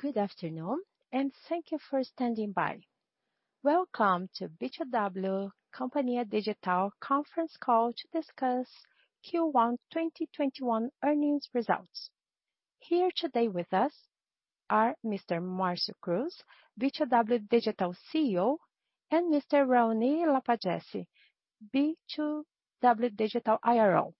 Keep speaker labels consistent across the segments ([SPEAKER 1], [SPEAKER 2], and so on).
[SPEAKER 1] Good afternoon, and thank you for standing by. Welcome to B2W Companhia Digital conference call to discuss Q1 2021 earnings results. Here today with us are Mr. Marcio Cruz, B2W Digital CEO, and Mr. Raoni Lapagesse, B2W Digital IRO.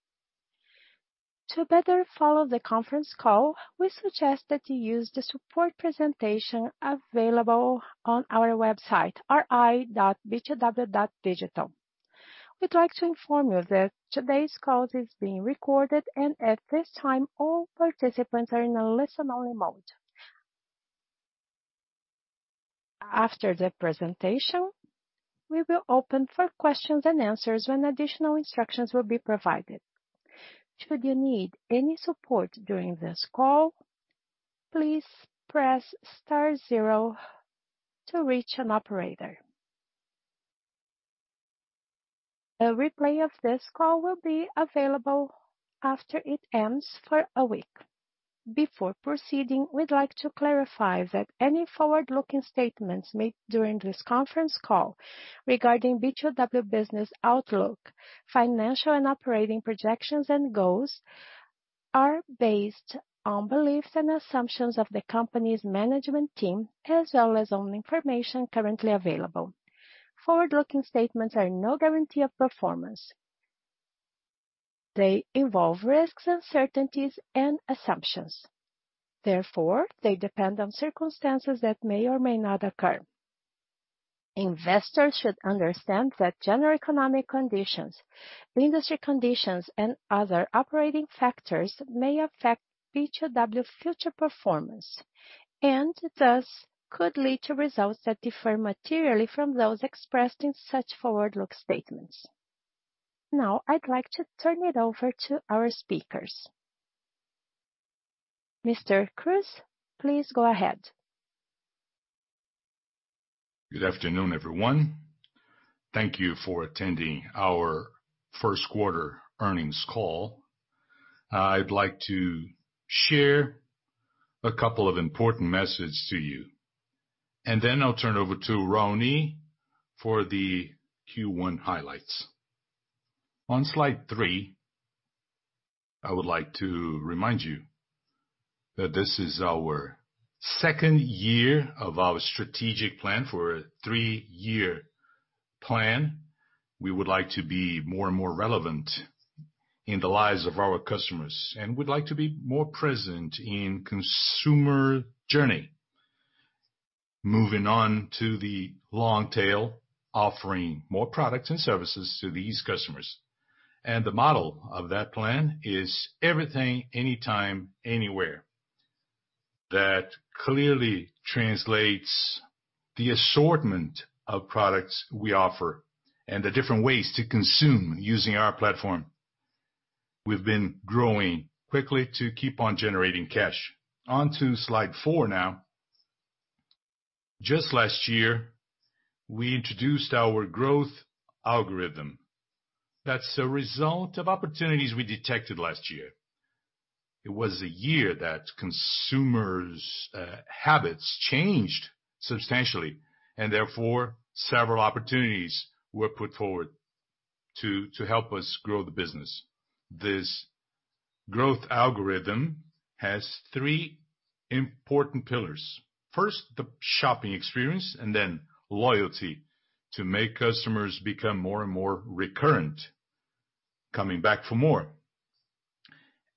[SPEAKER 1] To better follow the conference call, we suggest that you use the support presentation available on our website, ri.b2w.digital. We'd like to inform you that today's call is being recorded, and at this time, all participants are in a listen-only mode. After the presentation, we will open for questions and answers when additional instructions will be provided. Should you need any support during this call, please press star zero to reach an operator. A replay of this call will be available after it ends for a week. Before proceeding, we'd like to clarify that any forward-looking statements made during this conference call regarding B2W business outlook, financial and operating projections and goals are based on beliefs and assumptions of the company's management team, as well as on information currently available. Forward-looking statements are no guarantee of performance. They involve risks, uncertainties, and assumptions. Therefore, they depend on circumstances that may or may not occur. Investors should understand that general economic conditions, industry conditions, and other operating factors may affect B2W's future performance, and thus could lead to results that differ materially from those expressed in such forward-looking statements. Now, I'd like to turn it over to our speakers. Mr. Cruz, please go ahead.
[SPEAKER 2] Good afternoon, everyone. Thank you for attending our first quarter earnings call. I'd like to share a couple of important message to you, then I'll turn over to Raoni for the Q1 highlights. On slide three, I would like to remind you that this is our second year of our strategic plan for a three-year plan. We would like to be more and more relevant in the lives of our customers, and we'd like to be more present in consumer journey. Moving on to the long tail, offering more products and services to these customers. The model of that plan is everything, anytime, anywhere. That clearly translates the assortment of products we offer and the different ways to consume using our platform. We've been growing quickly to keep on generating cash. On to slide four now. Just last year, we introduced our growth algorithm. That's a result of opportunities we detected last year. It was a year that consumers' habits changed substantially, and therefore, several opportunities were put forward to help us grow the business. This growth algorithm has three important pillars. First, the shopping experience, then loyalty to make customers become more and more recurrent, coming back for more.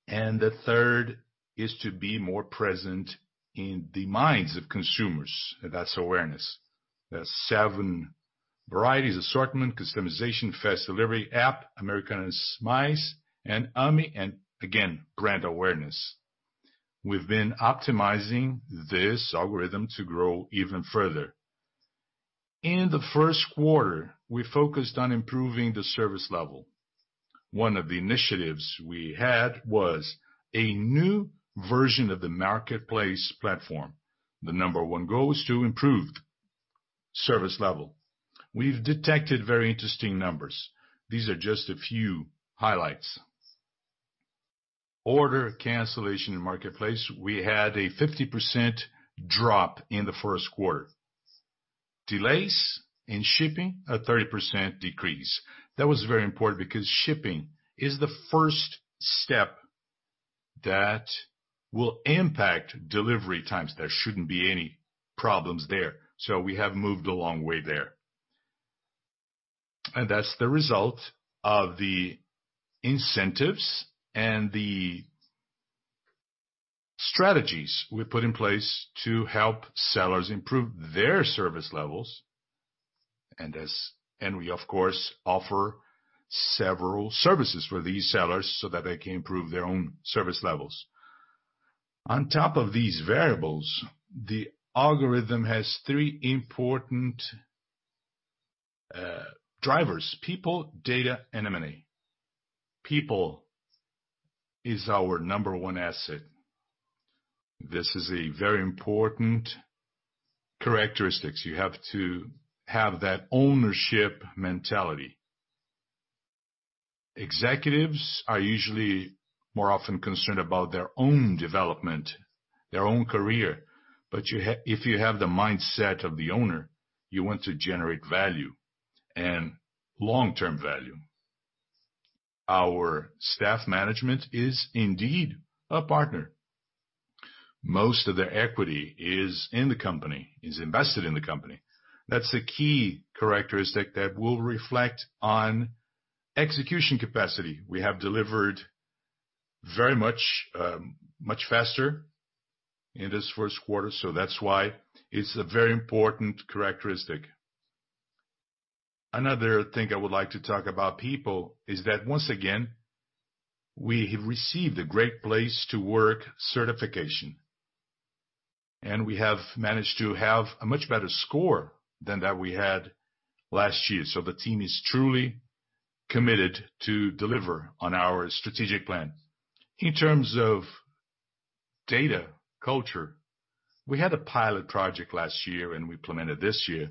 [SPEAKER 2] The third is to be more present in the minds of consumers. That's awareness. There's seven varieties: assortment, customization, fast delivery, app, Americanas Mais and Ame, and again, brand awareness. We've been optimizing this algorithm to grow even further. In the first quarter, we focused on improving the service level. One of the initiatives we had was a new version of the marketplace platform. The number 1 goal is to improve service level. We've detected very interesting numbers. These are just a few highlights. Order cancellation in marketplace, we had a 50% drop in the first quarter. Delays in shipping, a 30% decrease. That was very important because shipping is the first step that will impact delivery times. There shouldn't be any problems there, so we have moved a long way there. That's the result of the incentives and the strategies we put in place to help sellers improve their service levels. We, of course, offer several services for these sellers so that they can improve their own service levels. On top of these variables, the algorithm has three important drivers, people, data, and money. People is our number one asset. This is a very important characteristics. You have to have that ownership mentality. Executives are usually more often concerned about their own development, their own career. If you have the mindset of the owner, you want to generate value and long-term value. Our staff management is indeed a partner. Most of the equity is in the company, is invested in the company. That's the key characteristic that will reflect on execution capacity. We have delivered very much faster in this 1st quarter. That's why it's a very important characteristic. Another thing I would like to talk about people is that, once again, we have received a Great Place to Work certification, and we have managed to have a much better score than that we had last year. The team is truly committed to deliver on our strategic plan. In terms of data culture, we had a pilot project last year and we implemented this year,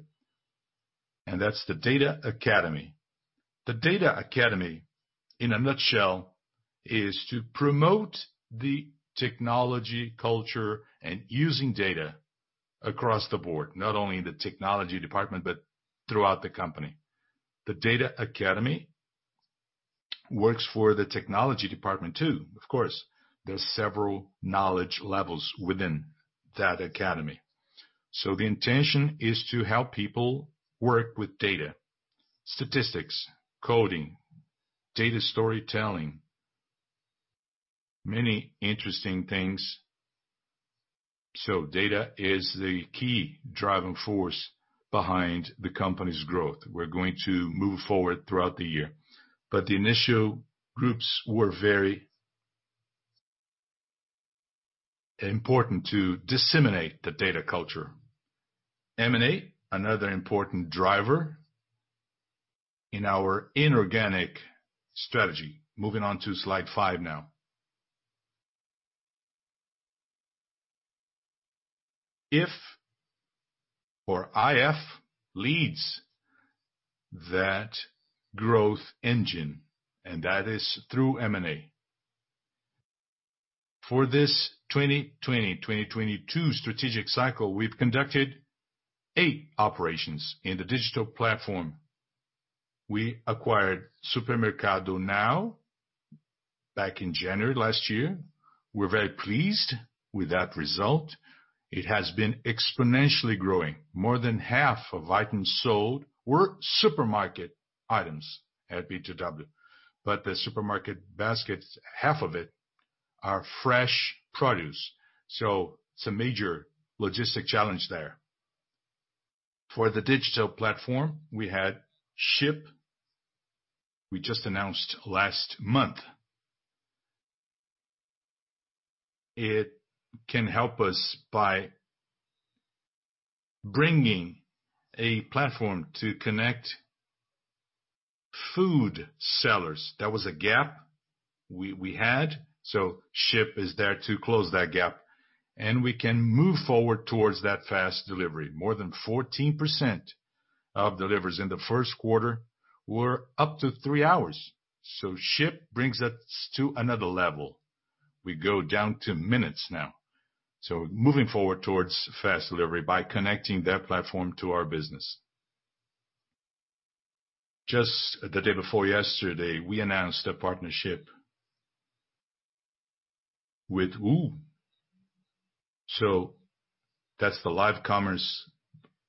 [SPEAKER 2] and that's the Data Academy. The Data Academy, in a nutshell, is to promote the technology culture and using data across the board, not only in the technology department, but throughout the company. The Data Academy works for the technology department too. Of course, there's several knowledge levels within that academy. The intention is to help people work with data, statistics, coding, data storytelling, many interesting things. Data is the key driving force behind the company's growth. We're going to move forward throughout the year, but the initial groups were very important to disseminate the data culture. M&A, another important driver in our inorganic strategy. Moving on to slide five now. If or IF leads that growth engine, and that is through M&A. For this 2020-2022 strategic cycle, we've conducted eight operations in the digital platform. We acquired Supermercado Now back in January last year. We're very pleased with that result. It has been exponentially growing. More than half of items sold were supermarket items at B2W, but the supermarket baskets, half of it are fresh produce, so it's a major logistic challenge there. For the digital platform, we had Shipp, we just announced last month. It can help us by bringing a platform to connect food sellers. That was a gap we had. Shipp is there to close that gap. We can move forward towards that fast delivery. More than 14% of deliveries in the first quarter were up to three hours. Shipp brings us to another level. We go down to minutes now. Moving forward towards fast delivery by connecting that platform to our business. Just the day before yesterday, we announced a partnership with OOOOO. That's the live commerce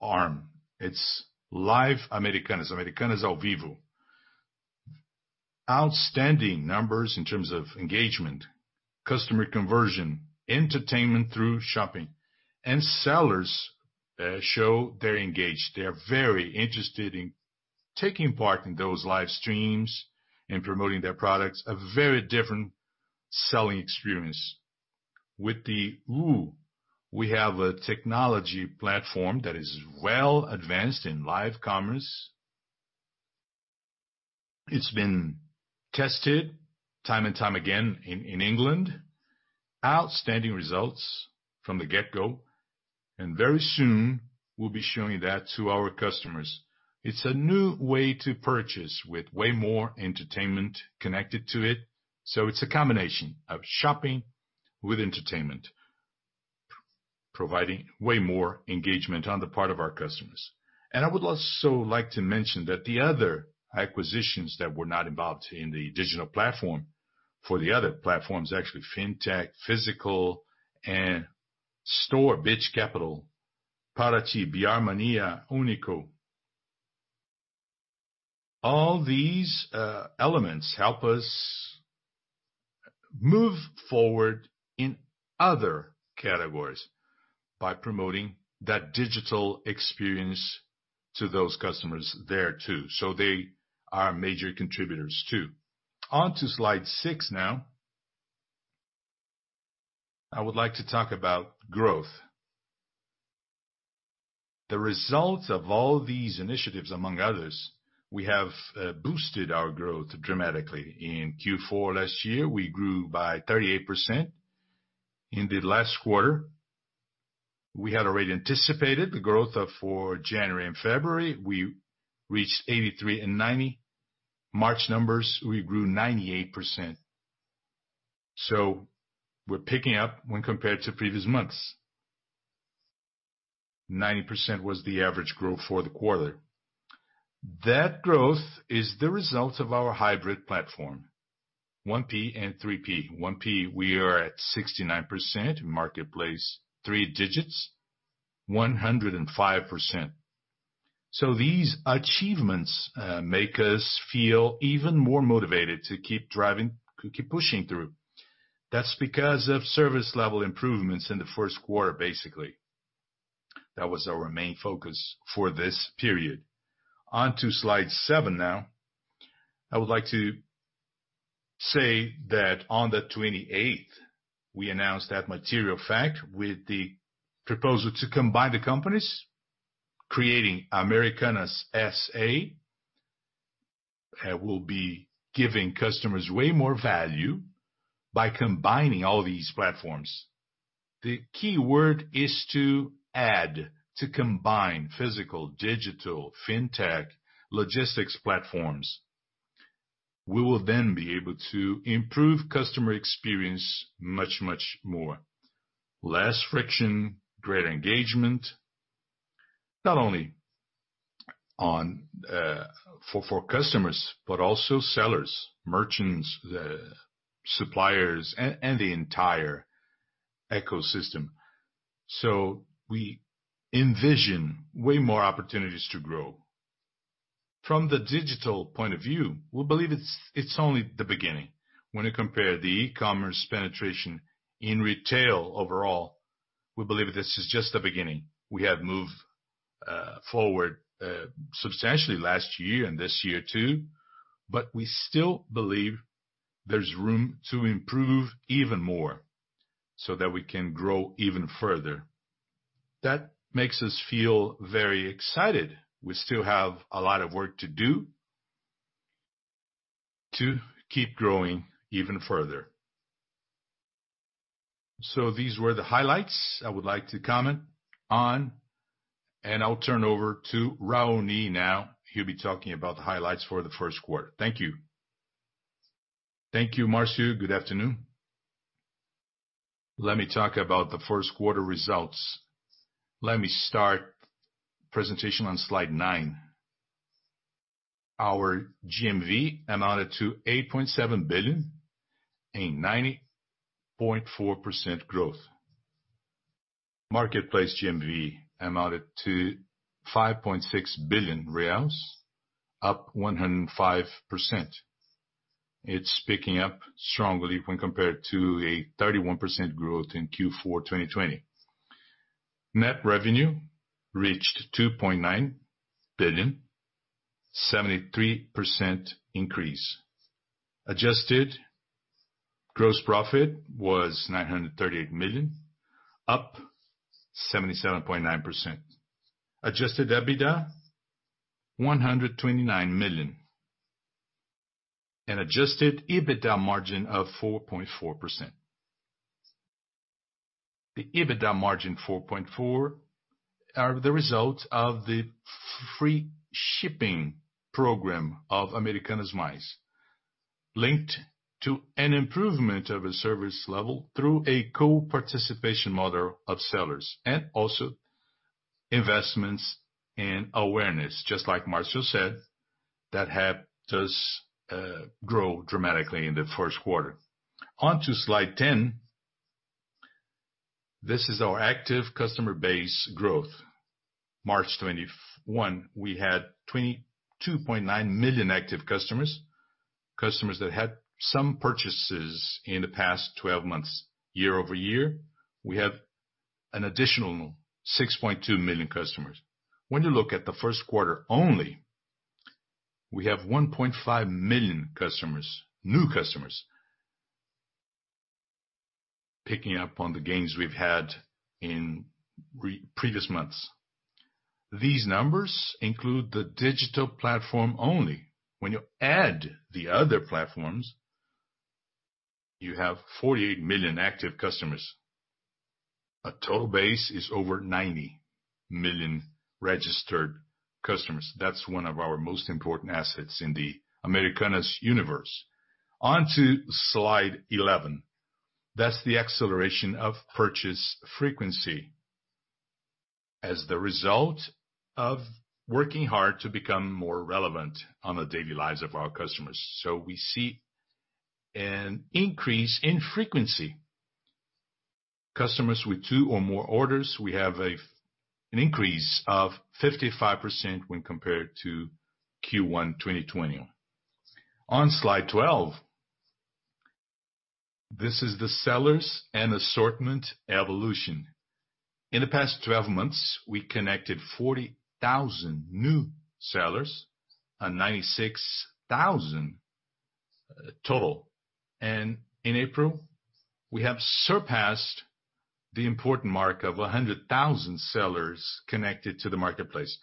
[SPEAKER 2] arm. It's live Americanas ao Vivo. Outstanding numbers in terms of engagement, customer conversion, entertainment through shopping. Sellers show they're engaged. They are very interested in taking part in those live streams and promoting their products. A very different selling experience. With the OOOOO, we have a technology platform that is well advanced in live commerce, it's been tested time and time again in England. Outstanding results from the get-go, and very soon we'll be showing that to our customers. It's a new way to purchase with way more entertainment connected to it. It's a combination of shopping with entertainment, providing way more engagement on the part of our customers. I would also like to mention that the other acquisitions that were not involved in the digital platform for the other platforms, actually, fintech, physical, and store, Bit Capital, Parati, BR Mania, Uni.co. All these elements help us move forward in other categories by promoting that digital experience to those customers there too, so they are major contributors too. On to slide six now. I would like to talk about growth. The results of all these initiatives, among others, we have boosted our growth dramatically. In Q4 last year, we grew by 38%. In the last quarter, we had already anticipated the growth for January and February, we reached 83% and 90%. March numbers, we grew 98%. We're picking up when compared to previous months. 90% was the average growth for the quarter. That growth is the result of our hybrid platform, 1P and 3P. 1P, we are at 69%, marketplace, three digits, 105%. These achievements make us feel even more motivated to keep driving, to keep pushing through. That's because of service level improvements in the first quarter, basically. That was our main focus for this period. On to slide seven now. I would like to say that on the 28th, we announced that material fact with the proposal to combine the companies, creating Americanas S.A. We'll be giving customers way more value by combining all these platforms. The key word is to add, to combine physical, digital, fintech, logistics platforms. We will then be able to improve customer experience much, much more. Less friction, greater engagement, not only for customers, but also sellers, merchants, the suppliers, and the entire ecosystem. We envision way more opportunities to grow. From the digital point of view, we believe it's only the beginning. When you compare the e-commerce penetration in retail overall, we believe this is just the beginning. We have moved forward substantially last year and this year too, but we still believe there's room to improve even more so that we can grow even further. That makes us feel very excited. We still have a lot of work to do to keep growing even further. These were the highlights I would like to comment on, and I'll turn over to Raoni now. He'll be talking about the highlights for the first quarter. Thank you.
[SPEAKER 3] Thank you, Marcio. Good afternoon. Let me talk about the first quarter results. Let me start the presentation on slide nine. Our GMV amounted to 8.7 billion, a 90.4% growth. Marketplace GMV amounted to 5.6 billion reais, up 105%. It's picking up strongly when compared to a 31% growth in Q4 2020. Net revenue reached 2.9 billion, 73% increase. Adjusted gross profit was 938 million, up 77.9%. Adjusted EBITDA, 129 million. An adjusted EBITDA margin of 4.4%. The EBITDA margin 4.4% are the result of the free shipping program of Americanas Mais, linked to an improvement of a service level through a co-participation model of sellers and also investments and awareness, just like Marcio said, that helped us grow dramatically in the first quarter. On to slide 10. This is our active customer base growth. March 2021, we had 22.9 million active customers that had some purchases in the past 12 months. Year-over-year, we have an additional 6.2 million customers. When you look at the first quarter only, we have 1.5 million customers, new customers, picking up on the gains we've had in previous months. These numbers include the digital platform only. When you add the other platforms, you have 48 million active customers. Our total base is over 90 million registered customers. That's one of our most important assets in the Americanas universe. On to slide 11. That's the acceleration of purchase frequency as the result of working hard to become more relevant on the daily lives of our customers. We see an increase in frequency. Customers with two or more orders, we have an increase of 55% when compared to Q1 2020. On slide 12, this is the sellers and assortment evolution. In the past 12 months, we connected 40,000 new sellers and 96,000 total. In April, we have surpassed the important mark of 100,000 sellers connected to the marketplace.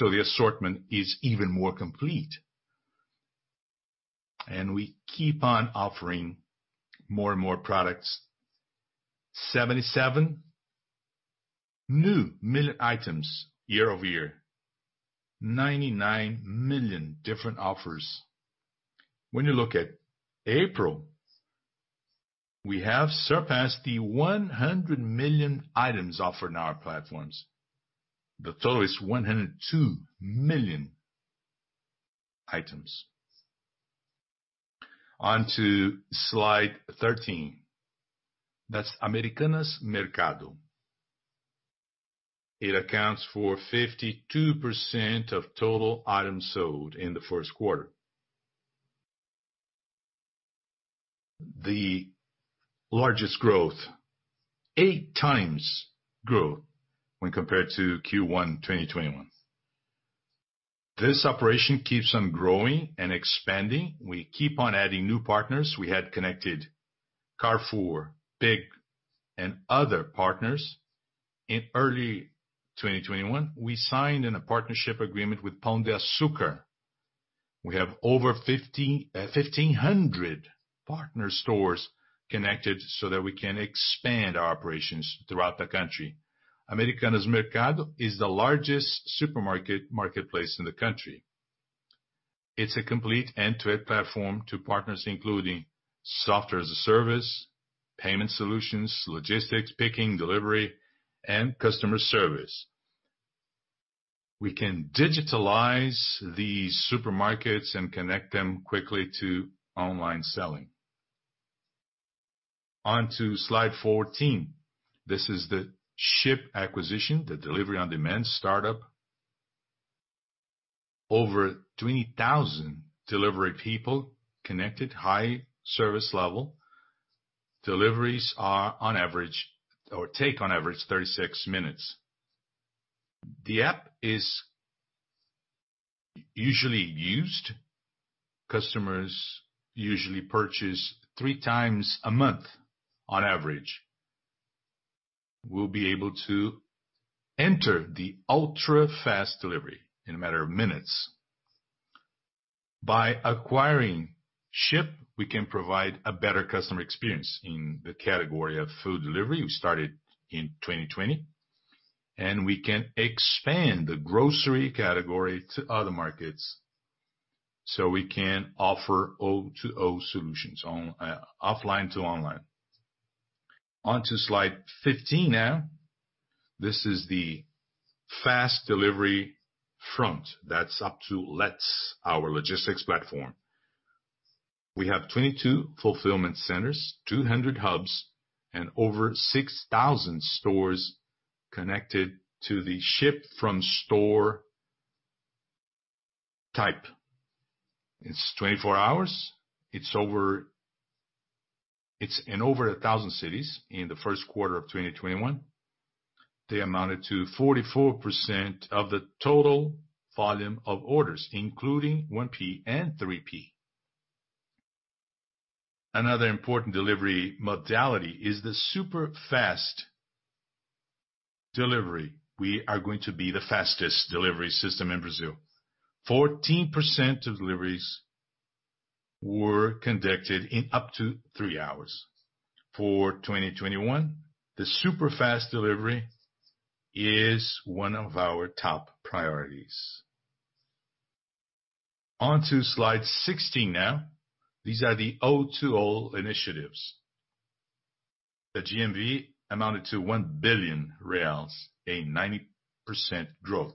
[SPEAKER 3] The assortment is even more complete and we keep on offering more and more products, 77 new million items year-over-year, 99 million different offers. When you look at April, we have surpassed the 100 million items offered on our platforms. The total is 102 million items. On to slide 13. That's Americanas Mercado. It accounts for 52% of total items sold in the first quarter. The largest growth, 8 times growth when compared to Q1 2021. This operation keeps on growing and expanding. We keep on adding new partners. We had connected Carrefour, Big, and other partners. In early 2021, we signed in a partnership agreement with Pão de Açúcar. We have over 1,500 partner stores connected so that we can expand our operations throughout the country. Americanas Mercado is the largest supermarket marketplace in the country. It's a complete end-to-end platform to partners, including software as a service, payment solutions, logistics, picking, delivery, and customer service. We can digitalize the supermarkets and connect them quickly to online selling. On to slide 14. This is the Shipp acquisition, the delivery on-demand startup. Over 20,000 delivery people connected, high service level. Deliveries take on average 36 minutes. The app is usually used. Customers usually purchase three times a month on average. We'll be able to enter the ultra-fast delivery in a matter of minutes. By acquiring Shipp, we can provide a better customer experience in the category of food delivery. We started in 2020, and we can expand the grocery category to other markets so we can offer O2O solutions on offline to online. On to slide 15 now. This is the fast delivery front that's up to LET'S, our logistics platform. We have 22 fulfillment centers, 200 hubs, and over 6,000 stores connected to the ship from store type. It's 24 hours. It's in over 1,000 cities in the first quarter of 2021. They amounted to 44% of the total volume of orders, including 1P and 3P. Another important delivery modality is the super fast delivery. We are going to be the fastest delivery system in Brazil. 14% of deliveries were conducted in up to three hours. For 2021, the super fast delivery is one of our top priorities. On to slide 16 now. These are the O2O initiatives. The GMV amounted to 1 billion reais, a 90% growth.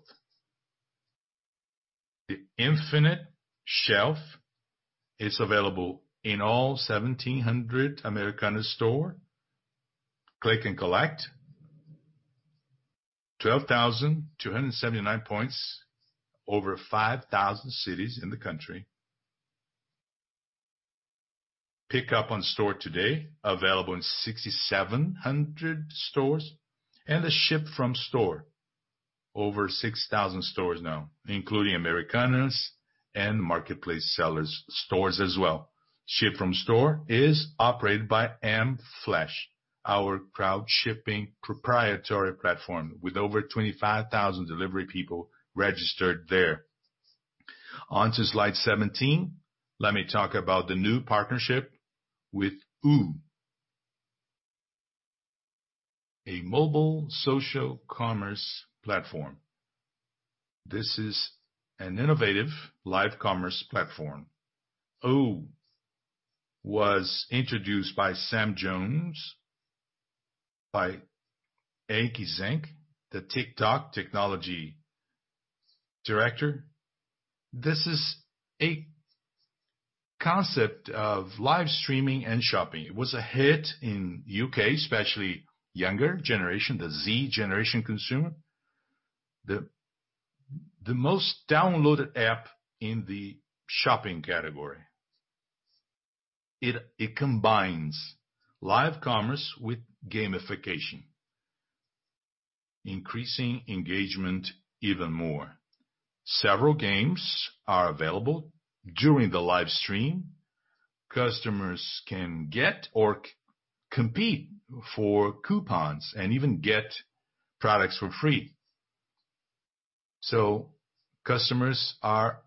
[SPEAKER 3] The infinite shelf is available in all 1,700 Americanas store. Click and collect, 12,279 points, over 5,000 cities in the country. Pick up on store today, available in 6,700 stores. The ship from store, over 6,000 stores now, including Americanas and marketplace sellers stores as well. Ship from store is operated by Ame Flash, our crowd shipping proprietary platform with over 25,000 delivery people registered there. On to slide 17. Let me talk about the new partnership with Uhu, a mobile social commerce platform. This is an innovative live commerce platform. Uhu was introduced by Sam Jones, by Aiki Zenk, the TikTok technology director. This is a concept of live streaming and shopping. It was a hit in the U.K., especially younger generation, the Z generation consumer. The most downloaded app in the shopping category. It combines live commerce with gamification, increasing engagement even more. Several games are available during the live stream. Customers can get or compete for coupons and even get products for free. Customers are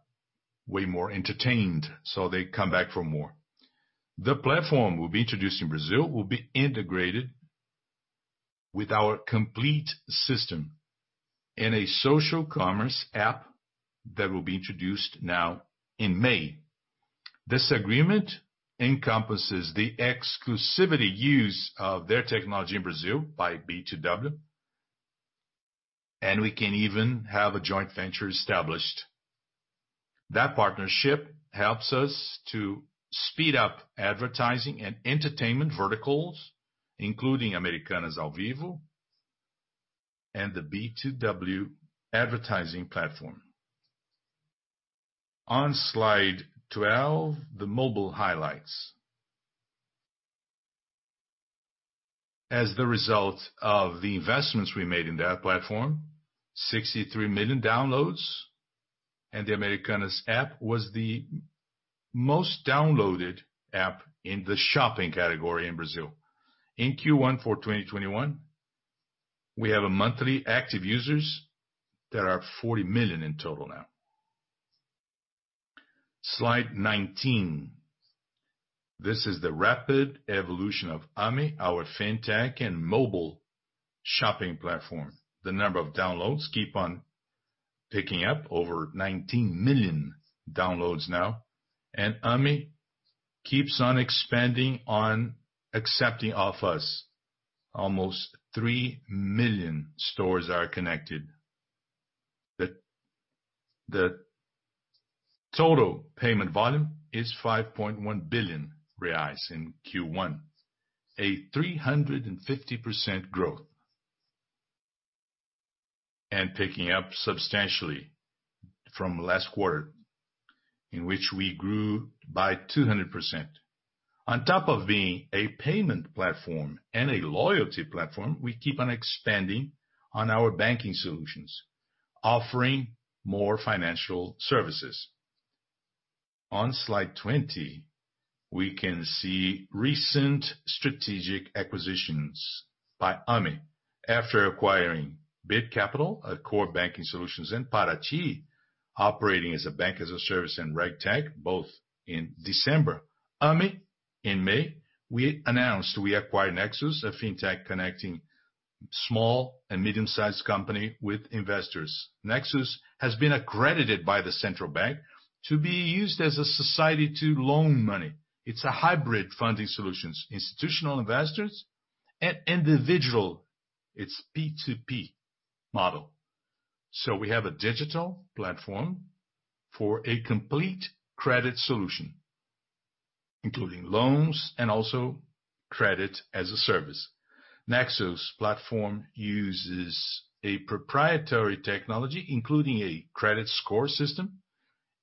[SPEAKER 3] way more entertained, so they come back for more. The platform will be introduced in Brazil will be integrated with our complete system in a social commerce app that will be introduced now in May. This agreement encompasses the exclusivity use of their technology in Brazil by B2W, we can even have a joint venture established. That partnership helps us to speed up advertising and entertainment verticals, including Americanas ao Vivo and the B2W advertising platform. On slide 12, the mobile highlights. As the result of the investments we made in that platform, 63 million downloads, and the Americanas app was the most downloaded app in the shopping category in Brazil. In Q1 for 2021, we have a monthly active users that are 40 million in total now. Slide 19. This is the rapid evolution of Ame, our fintech and mobile shopping platform. The number of downloads keep on picking up, over 19 million downloads now. Ame keeps on expanding on accepting offers. Almost three million stores are connected. The total payment volume is 5.1 billion reais in Q1, a 350% growth, picking up substantially from last quarter, in which we grew by 200%. On top of being a payment platform and a loyalty platform, we keep on expanding on our banking solutions, offering more financial services. On Slide 20, we can see recent strategic acquisitions by Ame. After acquiring Bit Capital, a core banking solutions in Parati, operating as a Banking-as-a-Service and RegTech, both in December. Ame, in May, we announced we acquired Nexoos, a fintech connecting small and medium-sized company with investors. Nexoos has been accredited by the central bank to be used as a society to loan money. It's a hybrid funding solutions, institutional investors and individual. It's P2P model. We have a digital platform for a complete credit solution, including loans and also credit as a service. Nexus platform uses a proprietary technology, including a credit score system,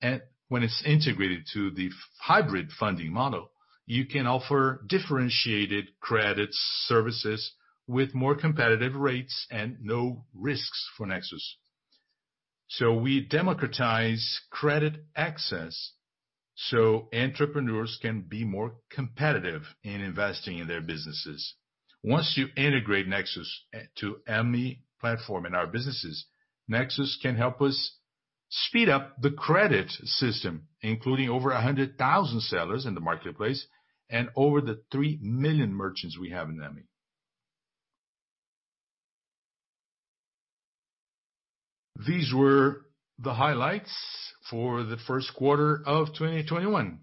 [SPEAKER 3] and when it's integrated to the hybrid funding model, you can offer differentiated credit services with more competitive rates and no risks for Nexus. We democratize credit access so entrepreneurs can be more competitive in investing in their businesses. Once you integrate Nexus to Ame platform and our businesses, Nexus can help us speed up the credit system, including over 100,000 sellers in the marketplace and over the three million merchants we have in Ame. These were the highlights for the first quarter of 2021.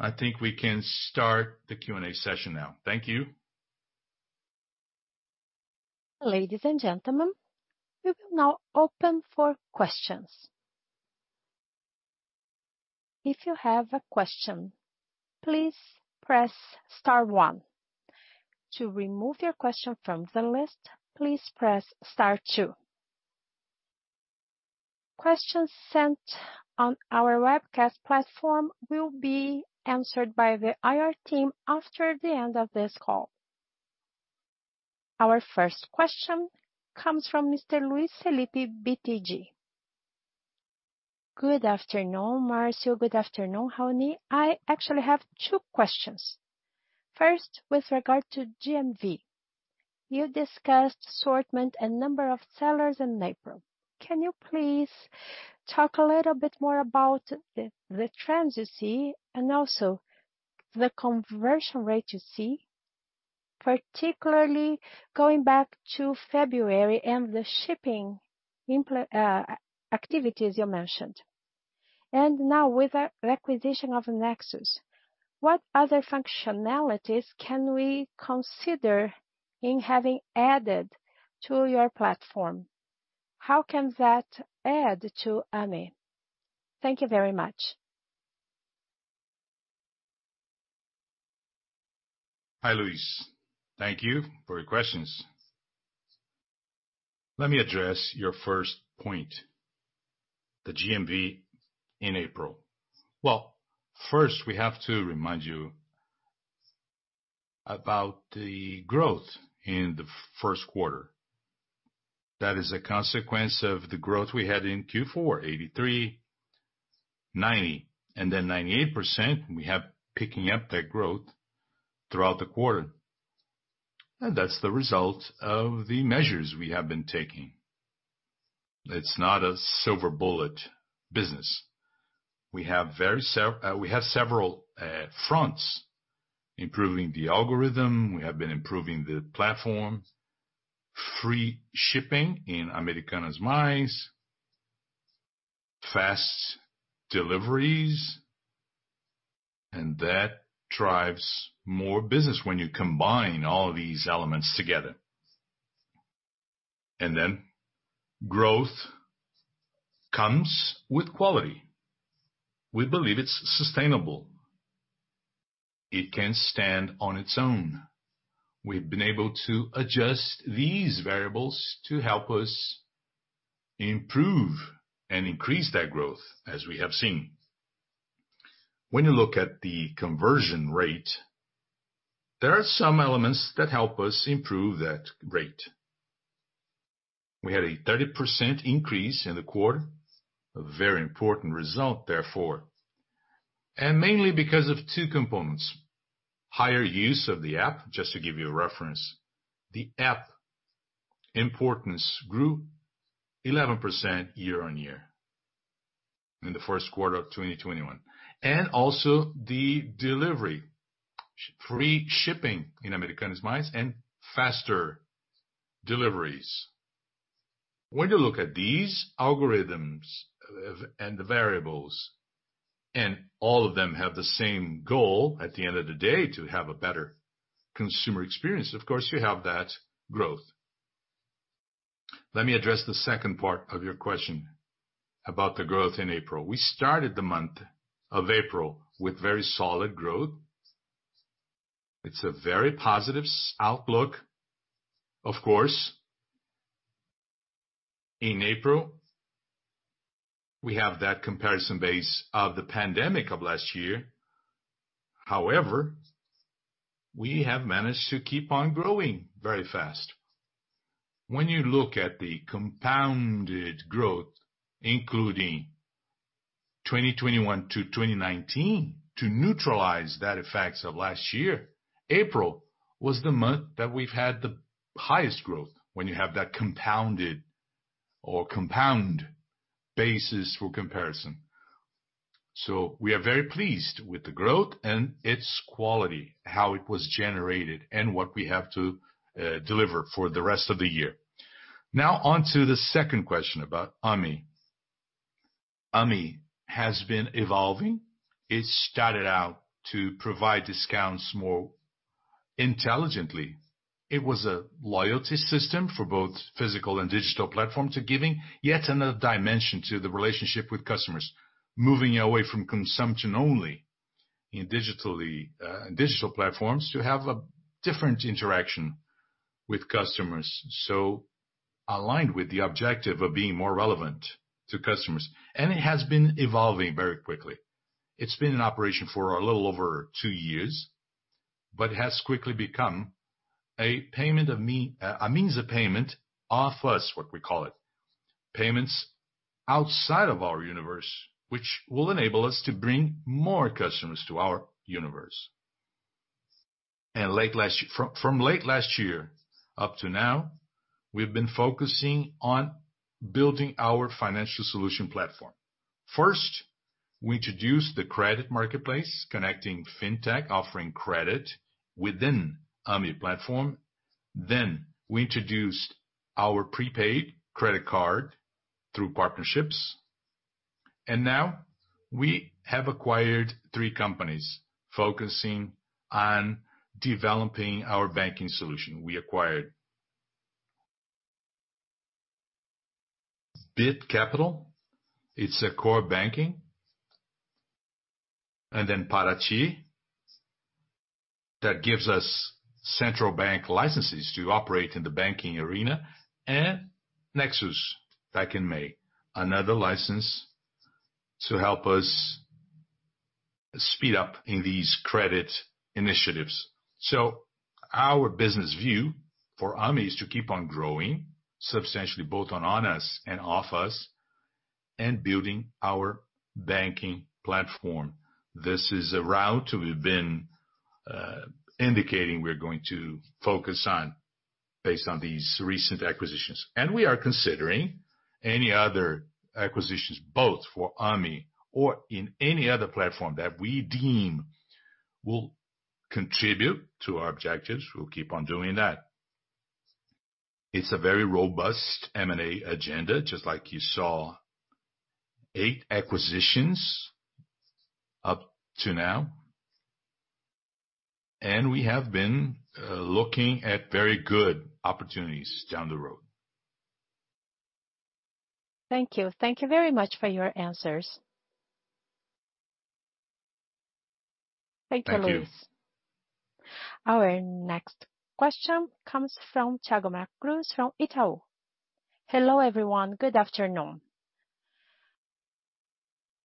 [SPEAKER 3] I think we can start the Q&A session now. Thank you.
[SPEAKER 1] Our first question comes from Mr. Luiz Felipe, BTG.
[SPEAKER 4] Good afternoon, Marcio. Good afternoon, Raoni. I actually have two questions. First, with regard to GMV, you discussed assortment and number of sellers in April. Can you please talk a little bit more about the trends you see and also the conversion rate you see, particularly going back to February and the shipping activities you mentioned? Now with the acquisition of Nexoos, what other functionalities can we consider in having added to your platform? How can that add to Ame? Thank you very much.
[SPEAKER 3] Hi, Luiz. Thank you for your questions. Let me address your first point, the GMV in April. Well, first, we have to remind you about the growth in the first quarter. That is a consequence of the growth we had in Q4, 83, 90, and then 98%. We have picking up that growth throughout the quarter. That's the result of the measures we have been taking. It's not a silver bullet business. We have several fronts, improving the algorithm. We have been improving the platform, free shipping in Americanas Mais, fast deliveries, and that drives more business when you combine all these elements together. Growth comes with quality. We believe it's sustainable. It can stand on its own. We've been able to adjust these variables to help us improve and increase that growth, as we have seen. When you look at the conversion rate, there are some elements that help us improve that rate. We had a 30% increase in the quarter, a very important result therefore, and mainly because of two components, higher use of the app, just to give you a reference. The app importance grew 11% year-on-year in the first quarter of 2021, and also the delivery, free shipping in Americanas Mais and faster deliveries. When you look at these algorithms and the variables, and all of them have the same goal at the end of the day, to have a better consumer experience, of course you have that growth. Let me address the second part of your question about the growth in April. We started the month of April with very solid growth. It's a very positive outlook, of course. In April, we have that comparison base of the pandemic of last year. However, we have managed to keep on growing very fast. When you look at the compounded growth, including 2021 to 2019, to neutralize that effects of last year, April was the month that we've had the highest growth, when you have that compounded or compound basis for comparison. We are very pleased with the growth and its quality, how it was generated, and what we have to deliver for the rest of the year. Now on to the second question about Ame. Ame has been evolving. It started out to provide discounts more intelligently. It was a loyalty system for both physical and digital platform to giving yet another dimension to the relationship with customers, moving away from consumption only in digital platforms, to have a different interaction with customers, so aligned with the objective of being more relevant to customers. It has been evolving very quickly. It's been in operation for a little over two years, but has quickly become a means of payment off us, what we call it, payments outside of our universe, which will enable us to bring more customers to our universe. From late last year up to now, we've been focusing on building our financial solution platform. First, we introduced the credit marketplace, connecting fintech, offering credit within Ame platform. We introduced our prepaid credit card through partnerships, and now we have acquired tree companies focusing on developing our banking solution. We acquired Bit Capital., its a core banking. Parati, that gives us central bank licenses to operate in the banking arena, and Nexus Bank in May, another license to help us speed up in these credit initiatives. Our business view for Ame is to keep on growing substantially both on us and off us, and building our banking platform. This is a route we've been indicating we're going to focus on based on these recent acquisitions. We are considering any other acquisitions, both for Ame or in any other platform that we deem will contribute to our objectives. We'll keep on doing that. It's a very robust M&A agenda, just like you saw, eight acquisitions up to now, and we have been looking at very good opportunities down the road.
[SPEAKER 4] Thank you. Thank you very much for your answers.
[SPEAKER 3] Thank you.
[SPEAKER 1] Thank you, Luiz. Our next question comes from Thiago Macruz from Itaú.
[SPEAKER 5] Hello, everyone. Good afternoon.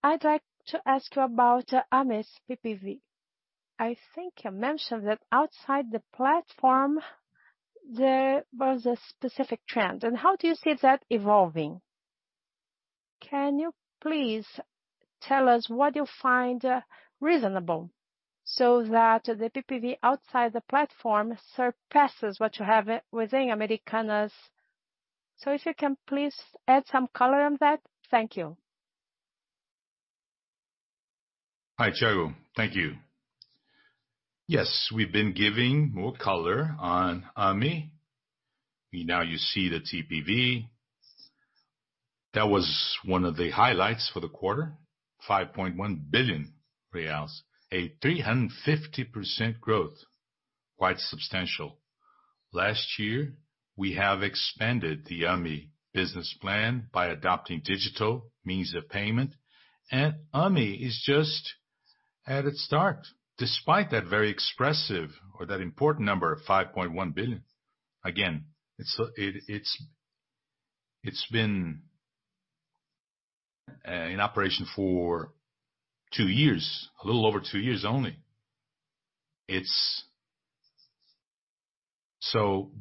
[SPEAKER 5] I'd like to ask you about Ame's TPV. I think you mentioned that outside the platform, there was a specific trend. How do you see that evolving? Can you please tell us what you find reasonable so that the TPV outside the platform surpasses what you have within Americanas? If you can please add some color on that. Thank you.
[SPEAKER 3] Hi, Thiago. Thank you. Yes, we've been giving more color on Ame. Now you see the TPV. That was one of the highlights for the quarter, 5.1 billion reais, a 350% growth, quite substantial. Last year, we have expanded the Ame business plan by adopting digital means of payment, and Ame is just at its start. Despite that very expressive or that important number of 5.1 billion, again, it's been in operation for two years, a little over two years only.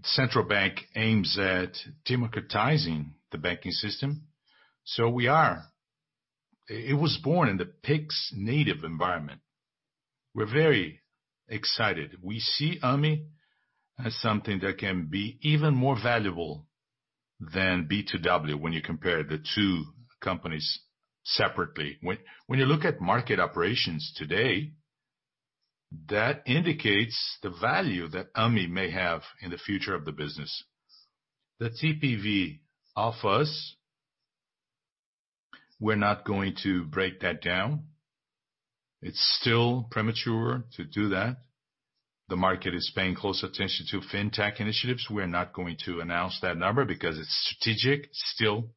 [SPEAKER 3] Central Bank aims at democratizing the banking system. It was born in the Pix native environment. We're very excited. We see Ame as something that can be even more valuable than B2W when you compare the two companies separately. When you look at market operations today, that indicates the value that Ame may have in the future of the business. The TPV of us, we're not going to break that down, it's still premature to do that. The market is paying close attention to fintech initiatives. We're not going to announce that number because it's strategic still.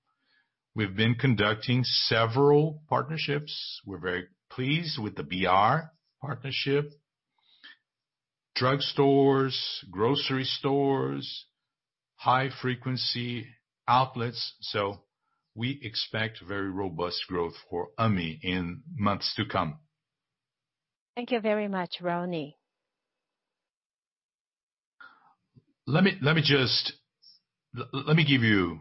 [SPEAKER 3] We've been conducting several partnerships, we're very pleased with the BR partnership. Drug stores, grocery stores, high frequency outlets. We expect very robust growth for Ame in months to come.
[SPEAKER 1] Thank you very much, Raoni.
[SPEAKER 3] Let me give you.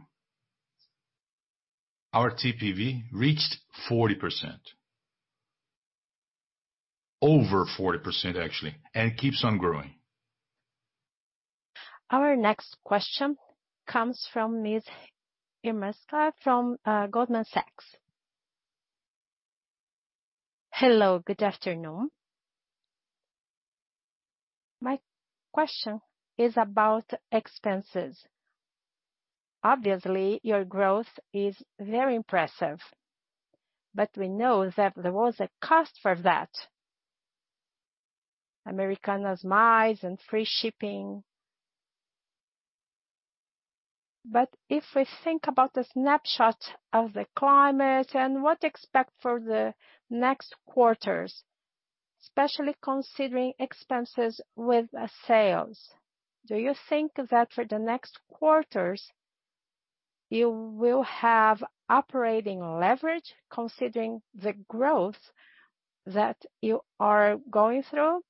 [SPEAKER 3] Our TPV reached 40%. Over 40%, actually, and keeps on growing.
[SPEAKER 1] Our next question comes from Miss Irma Sgarz from Goldman Sachs.
[SPEAKER 6] Hello, good afternoon. My question is about expenses. Obviously, your growth is very impressive, but we know that there was a cost for that. Americanas Mais and free shipping. If we think about the snapshot of the climate and what to expect for the next quarters, especially considering expenses with sales, do you think that for the next quarters, you will have operating leverage, considering the growth that you are going through?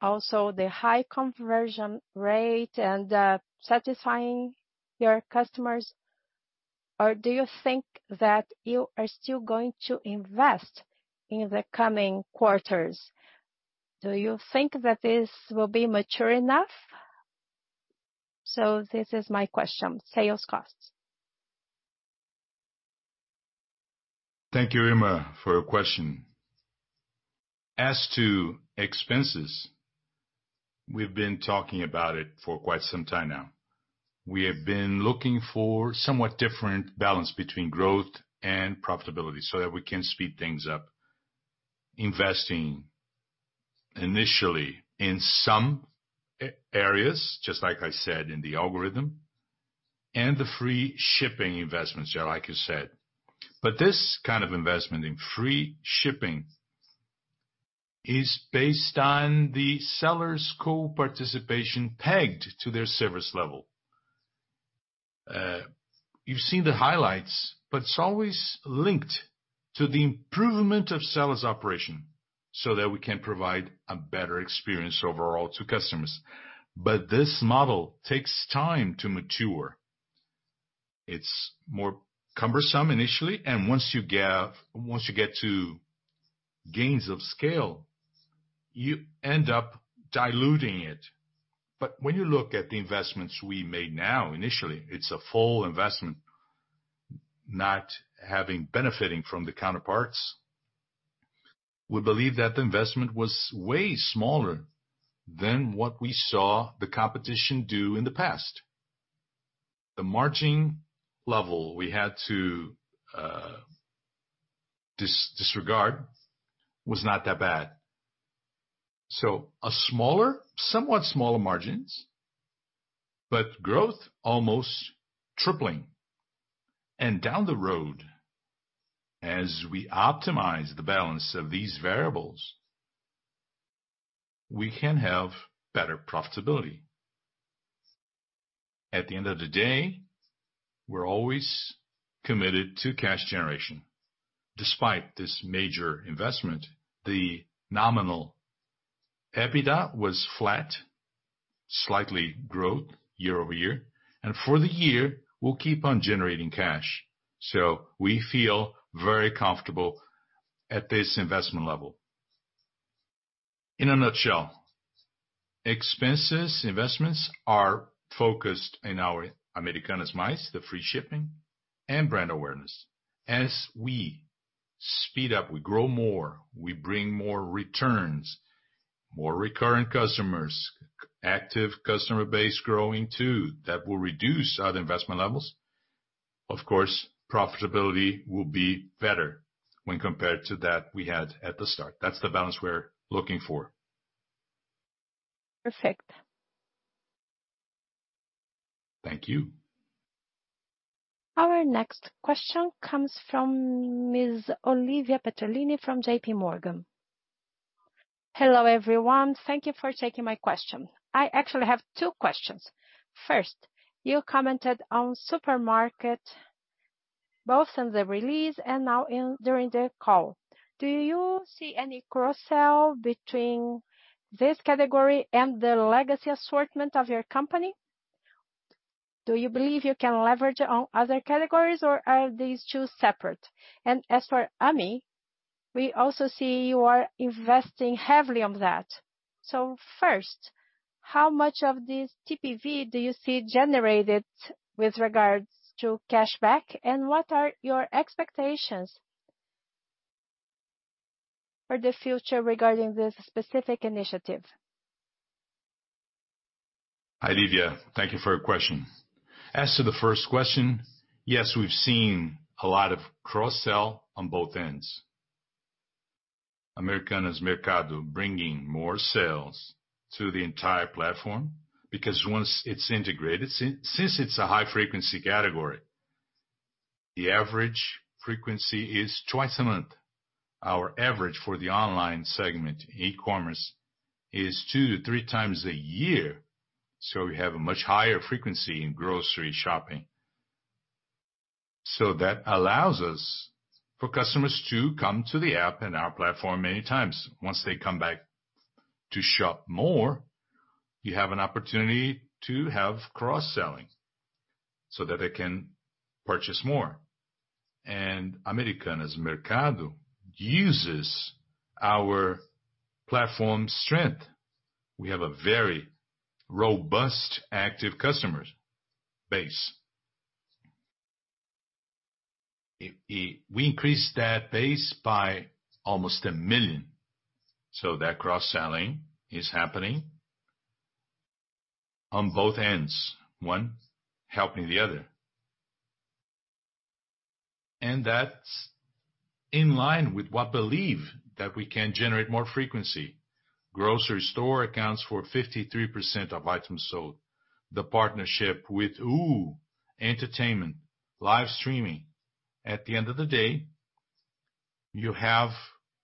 [SPEAKER 6] Also, the high conversion rate and satisfying your customers. Do you think that you are still going to invest in the coming quarters? Do you think that this will be mature enough? This is my question. Sales costs.
[SPEAKER 3] Thank you, Irma, for your question. As to expenses, we've been talking about it for quite some time now. We have been looking for somewhat different balance between growth and profitability so that we can speed things up. Investing initially in some areas, just like I said, in the algorithm, and the free shipping investments, like you said. This kind of investment in free shipping is based on the seller's co-participation pegged to their service level. You've seen the highlights, it's always linked to the improvement of seller's operation so that we can provide a better experience overall to customers. This model takes time to mature. It's more cumbersome initially, and once you get to gains of scale, you end up diluting it. When you look at the investments we made now, initially, it's a full investment, not having benefiting from the counterparts. We believe that the investment was way smaller than what we saw the competition do in the past. The margin level we had to disregard was not that bad. A somewhat smaller margins, but growth almost tripling, and down the road, as we optimize the balance of these variables, we can have better profitability. At the end of the day, we're always committed to cash generation. Despite this major investment, the nominal EBITDA was flat, slightly growth year-over-year. For the year, we'll keep on generating cash. We feel very comfortable at this investment level. In a nutshell, expenses, investments are focused in our Americanas Mais, the free shipping, and brand awareness. As we speed up, we grow more, we bring more returns, more recurring customers, active customer base growing too. That will reduce our investment levels. Of course, profitability will be better when compared to that we had at the start. That's the balance we're looking for.
[SPEAKER 6] Perfect.
[SPEAKER 3] Thank you.
[SPEAKER 1] Our next question comes from Ms. Olivia Petronilho from JPMorgan.
[SPEAKER 7] Hello, everyone, thank you for taking my question. I actually have two questions. First, you commented on supermarket both in the release and now during the call. Do you see any cross-sell between this category and the legacy assortment of your company? Do you believe you can leverage on other categories, or are these two separate? As for Ame, we also see you are investing heavily on that. First, how much of this TPV do you see generated with regards to cashback, and what are your expectations for the future regarding this specific initiative?
[SPEAKER 3] Hi, Olivia, thank you for your question. As to the first question, yes, we've seen a lot of cross-sell on both ends. Americanas Mercado bringing more sales to the entire platform because once it's integrated, since it's a high-frequency category, the average frequency is twice a month. Our average for the online segment, e-commerce, is two to three times a year. We have a much higher frequency in grocery shopping. That allows us for customers to come to the app and our platform many times. Once they come back to shop more, you have an opportunity to have cross-selling so that they can purchase more. Americanas Mercado uses our platform strength. We have a very robust, active customer base. We increased that base by almost a million, so that cross-selling is happening on both ends, one helping the other. That's in line with what we believe that we can generate more frequency. Grocery store accounts for 53% of items sold. The partnership with Uhu, entertainment, live streaming. At the end of the day, you have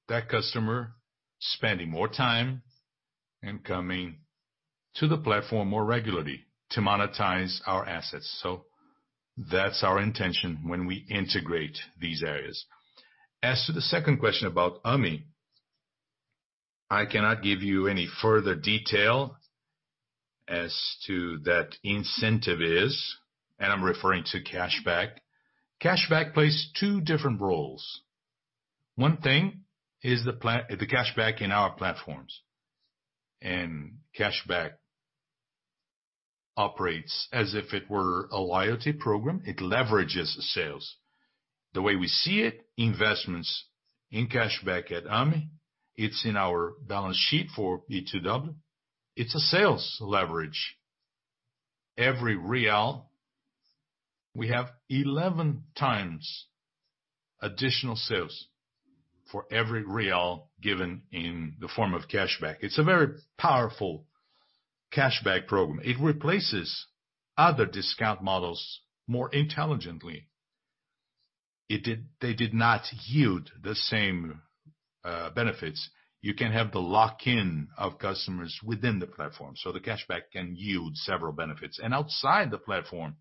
[SPEAKER 3] that customer spending more time and coming to the platform more regularly to monetize our assets. That's our intention when we integrate these areas. As to the second question about Ame, I cannot give you any further detail as to what that incentive is, and I'm referring to cashback. Cashback plays two different roles. One thing is the cashback in our platforms, and cashback operates as if it were a loyalty program. It leverages sales. The way we see it, investments in cashback at Ame, it's in our balance sheet for B2W. It's a sales leverage. Every BRL, we have 11 times additional sales for every BRL given in the form of cashback. It's a very powerful cashback program. It replaces other discount models more intelligently. They did not yield the same benefits, you can have the lock-in of customers within the platform, so the cashback can yield several benefits. Outside the platform,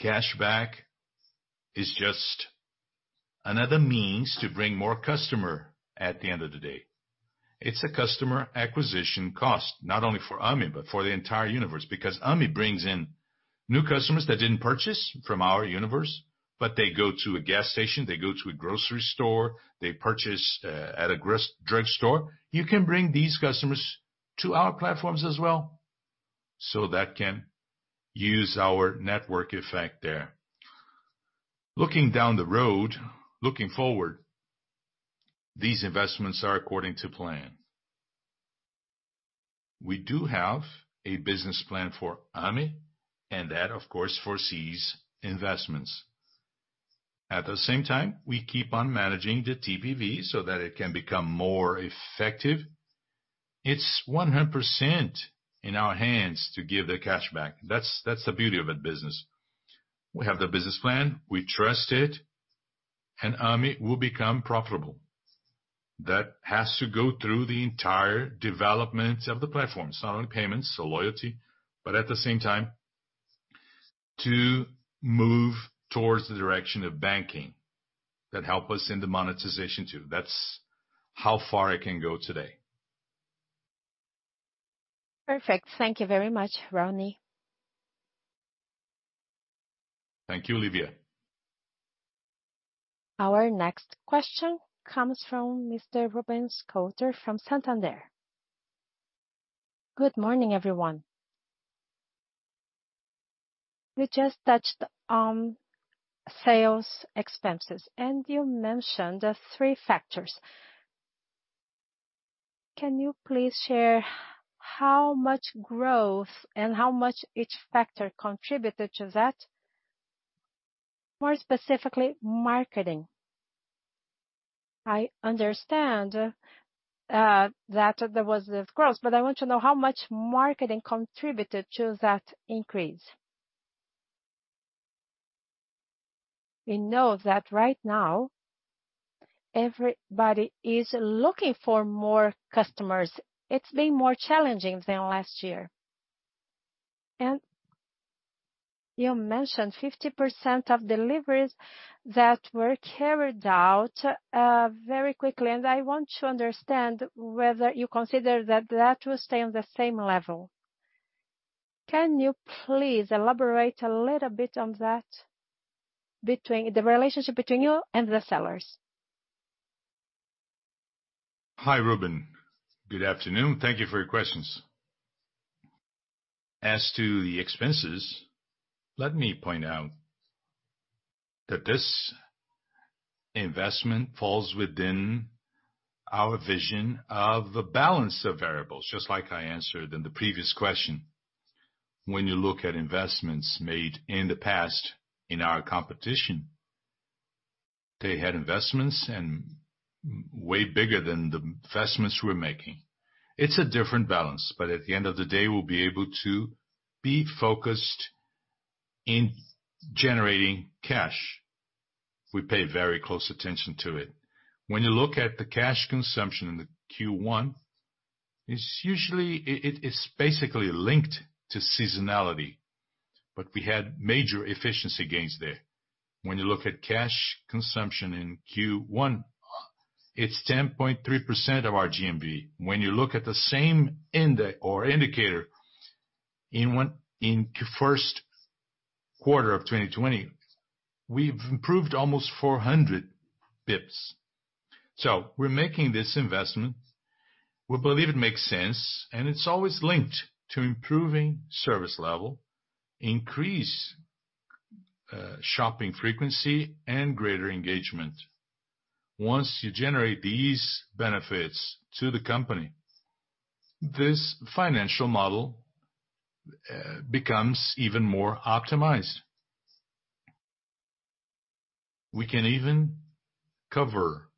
[SPEAKER 3] cashback is just another means to bring more customer at the end of the day. It's a customer acquisition cost, not only for Ame, but for the entire universe, because Ame brings in new customers that didn't purchase from our universe, but they go to a gas station, they go to a grocery store, they purchase at a drugstore. You can bring these customers to our platforms as well, so that can use our network effect there. Looking down the road, looking forward, these investments are according to plan. We do have a business plan for Ame, and that, of course, foresees investments. At the same time, we keep on managing the TPV so that it can become more effective. It's 100% in our hands to give the cashback. That's the beauty of that business. We have the business plan, we trust it, and Ame will become profitable. That has to go through the entire development of the platform. It's not only payments or loyalty, but at the same time, to move towards the direction of banking that help us in the monetization too. That's how far I can go today.
[SPEAKER 7] Perfect. Thank you very much, Raoni.
[SPEAKER 3] Thank you, Olivia.
[SPEAKER 1] Our next question comes from Mr. Ruben Couto from Santander.
[SPEAKER 8] Good morning, everyone. You just touched on sales expenses, and you mentioned the three factors. Can you please share how much growth and how much each factor contributed to that? More specifically, marketing. I understand that there was this growth, but I want to know how much marketing contributed to that increase. We know that right now everybody is looking for more customers. It's been more challenging than last year. You mentioned 50% of deliveries that were carried out very quickly, and I want to understand whether you consider that that will stay on the same level. Can you please elaborate a little bit on that, the relationship between you and the sellers?
[SPEAKER 3] Hi, Ruben, good afternoon. Thank you for your questions. As to the expenses, let me point out that this investment falls within our vision of a balance of variables, just like I answered in the previous question. When you look at investments made in the past in our competition, they had investments and way bigger than the investments we're making. It's a different balance, but at the end of the day, we'll be able to be focused in generating cash. We pay very close attention to it. When you look at the cash consumption in the Q1, it's basically linked to seasonality, but we had major efficiency gains there. When you look at cash consumption in Q1, it's 10.3% of our GMV. When you look at the same indicator in first quarter of 2020, we've improved almost 400 basis points. We're making this investment. We believe it makes sense, and it's always linked to improving service level, increase shopping frequency, and greater engagement. Once you generate these benefits to the company, this financial model becomes even more optimized. We can even cover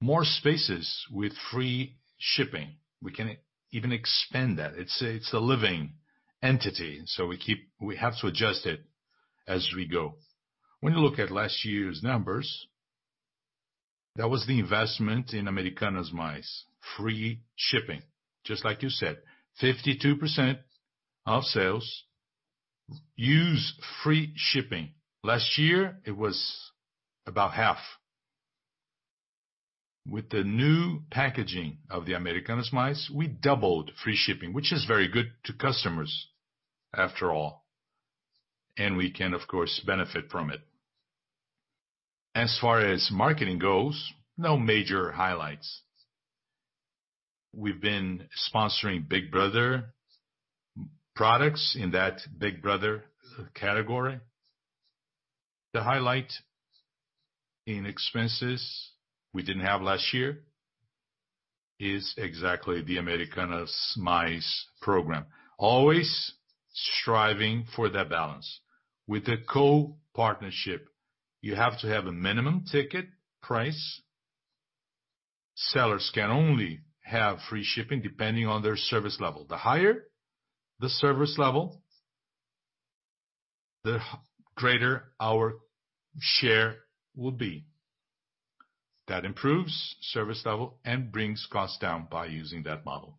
[SPEAKER 3] more spaces with free shipping. We can even expand that. It's a living entity, so we have to adjust it as we go. When you look at last year's numbers, that was the investment in Americanas Mais, free shipping, just like you said. 52% of sales use free shipping. Last year, it was about half. With the new packaging of the Americanas Mais, we doubled free shipping, which is very good to customers after all, and we can, of course, benefit from it. As far as marketing goes, no major highlights. We've been sponsoring Big Brother products in that Big Brother category. The highlight in expenses we didn't have last year is exactly the Americanas Mais program. Always striving for that balance. With the co-partnership, you have to have a minimum ticket price. Sellers can only have free shipping depending on their service level. The higher the service level, the greater our share will be. That improves service level and brings costs down by using that model.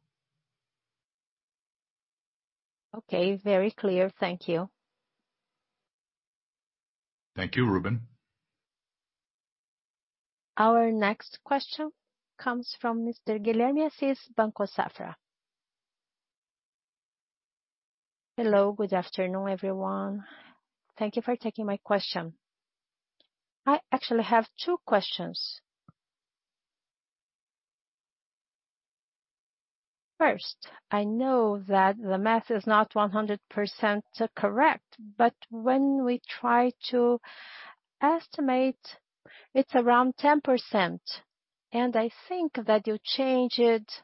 [SPEAKER 8] Okay, very clear. Thank you.
[SPEAKER 3] Thank you, Ruben.
[SPEAKER 1] Our next question comes from Mr. Guilherme Assis, Banco Safra.
[SPEAKER 9] Hello, good afternoon, everyone. Thank you for taking my question. I actually have two questions. First, I know that the math is not 100% correct, but when we try to estimate, it's around 10%, I think that you changed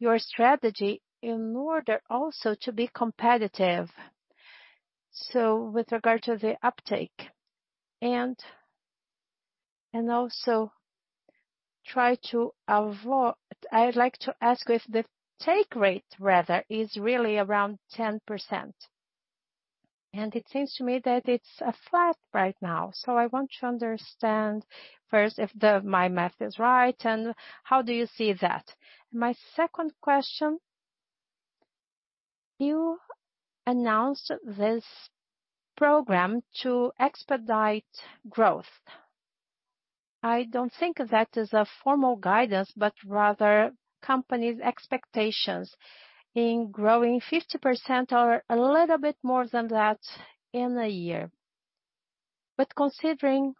[SPEAKER 9] your strategy in order also to be competitive. With regard to the uptake. I'd like to ask if the take rate rather is really around 10%. It seems to me that it's flat right now. I want to understand first if my math is right, and how do you see that? My second question, you announced this program to expedite growth. I don't think that is a formal guidance, but rather company's expectations in growing 50% or a little bit more than that in a year. Considering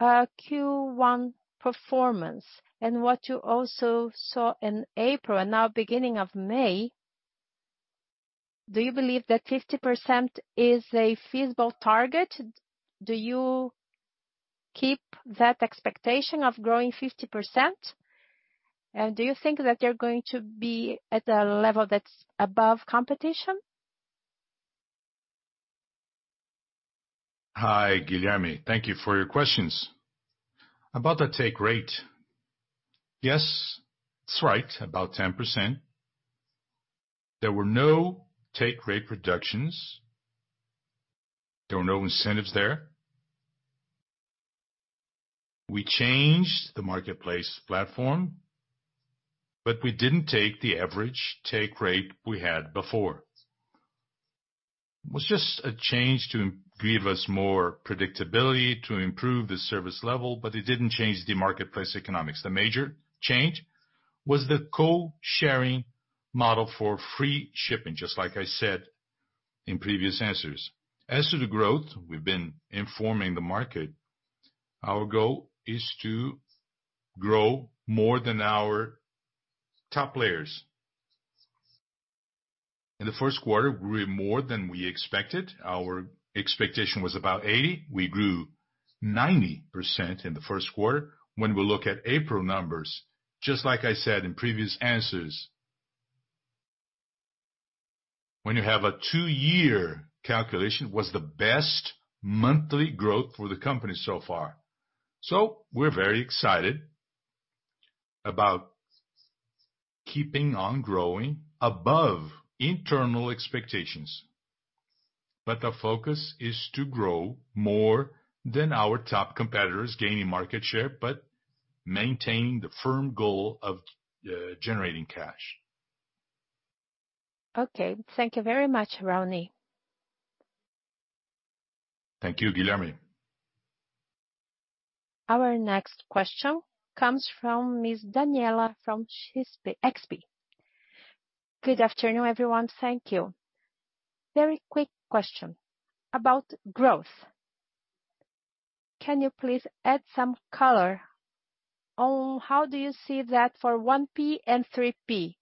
[SPEAKER 9] Q1 performance and what you also saw in April and now beginning of May, do you believe that 50% is a feasible target? Do you keep that expectation of growing 50%? Do you think that you're going to be at a level that's above competition?
[SPEAKER 3] Hi, Guilherme, thank you for your questions. About the take rate. Yes, it's right, about 10%. There were no take rate reductions, there were no incentives there. We changed the marketplace platform, but we didn't take the average take rate we had before. It was just a change to give us more predictability, to improve the service level, but it didn't change the marketplace economics. The major change was the co-sharing model for free shipping, just like I said in previous answers. As to the growth, we've been informing the market, our goal is to grow more than our top layers. In the first quarter, we grew more than we expected. Our expectation was about 80%. We grew 90% in the first quarter. When we look at April numbers, just like I said in previous answers, when you have a two-year calculation, it was the best monthly growth for the company so far. We're very excited about keeping on growing above internal expectations. The focus is to grow more than our top competitors, gaining market share, but maintain the firm goal of generating cash.
[SPEAKER 9] Okay. Thank you very much, Raoni.
[SPEAKER 3] Thank you, Guilherme.
[SPEAKER 1] Our next question comes from Ms. Daniela from XP.
[SPEAKER 10] Good afternoon, everyone. Thank you. Very quick question about growth. Can you please add some color on how do you see that for 1P and 3P?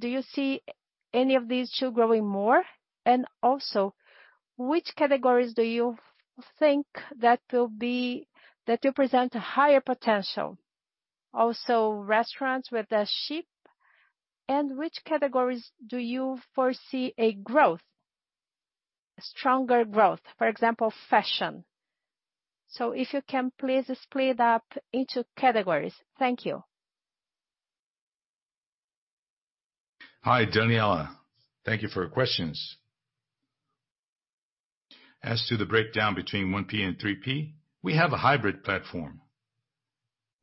[SPEAKER 10] Do you see any of these two growing more? Which categories do you think that will present a higher potential? Restaurants with the Shipp, and which categories do you foresee a growth, a stronger growth, for example, fashion? If you can please split up into categories. Thank you.
[SPEAKER 3] Hi, Daniela. Thank you for your questions. As to the breakdown between 1P and 3P, we have a hybrid platform.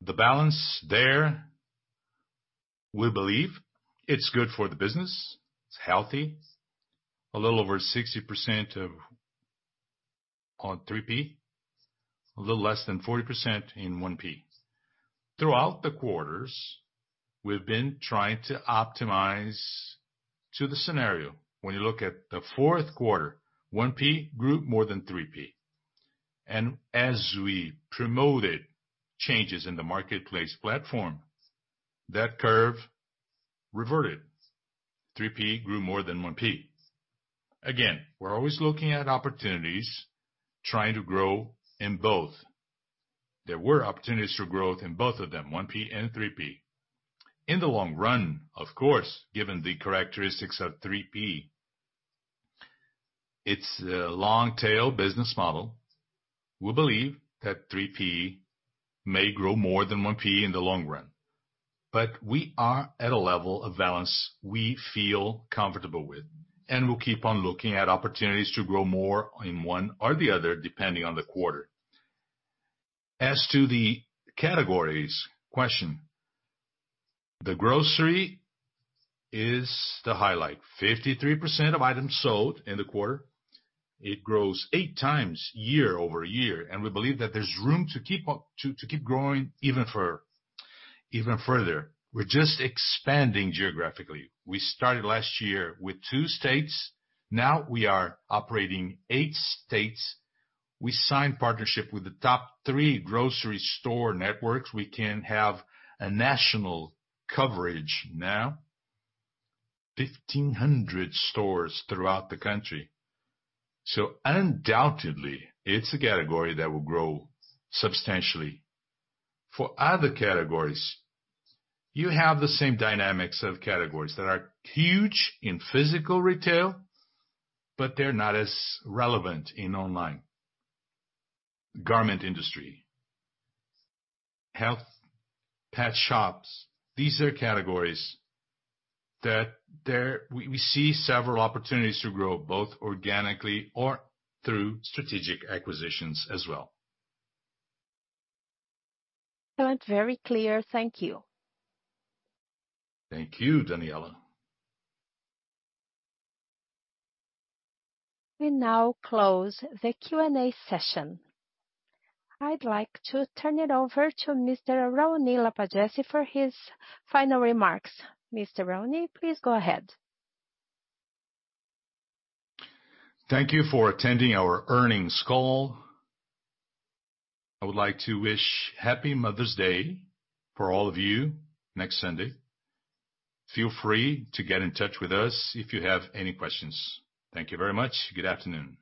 [SPEAKER 3] The balance there, we believe it's good for the business. It's healthy. A little over 60% on 3P, a little less than 40% in 1P. Throughout the quarters, we've been trying to optimize to the scenario. When you look at the fourth quarter, 1P grew more than 3P. As we promoted changes in the marketplace platform, that curve reverted. 3P grew more than 1P. Again, we're always looking at opportunities, trying to grow in both. There were opportunities for growth in both of them, 1P and 3P. In the long run, of course, given the characteristics of 3P, it's a long tail business model. We believe that 3P may grow more than 1P in the long run. We are at a level of balance we feel comfortable with, and we'll keep on looking at opportunities to grow more in one or the other, depending on the quarter. As to the categories question, the grocery is the highlight. 53% of items sold in the quarter. It grows 8 times year-over-year, and we believe that there's room to keep growing even further. We're just expanding geographically. We started last year with two states. Now we are operating eight states. We signed partnership with the top three grocery store networks. We can have a national coverage now, 1,500 stores throughout the country. Undoubtedly, it's a category that will grow substantially. For other categories, you have the same dynamics of categories that are huge in physical retail, but they're not as relevant in online. Garment industry, health, pet shops, these are categories that we see several opportunities to grow, both organically or through strategic acquisitions as well.
[SPEAKER 10] Excellent, very clear. Thank you.
[SPEAKER 3] Thank you, Danniela.
[SPEAKER 1] We now close the Q&A session. I'd like to turn it over to Mr. Raoni Lapagesse for his final remarks. Mr. Raoni, please go ahead.
[SPEAKER 3] Thank you for attending our earnings call. I would like to wish Happy Mother's Day for all of you next Sunday. Feel free to get in touch with us if you have any questions. Thank you very much, good afternoon.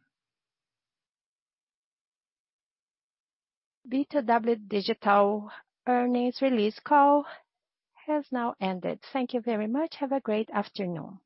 [SPEAKER 1] B2W Digital earnings release call has now ended. Thank you very much. Have a great afternoon.